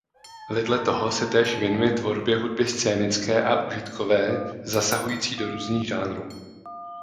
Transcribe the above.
Vedle toho se též věnuje tvorbě hudby scénické a užitkové zasahující do různých žánrů.